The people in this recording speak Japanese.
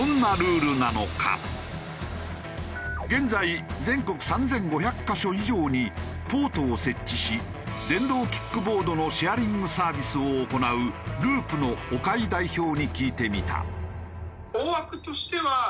現在全国３５００カ所以上にポートを設置し電動キックボードのシェアリングサービスを行うＬｕｕｐの岡井代表に聞いてみた。